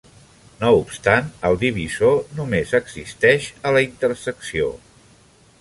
No obstant, el divisor només existeix a la intersecció.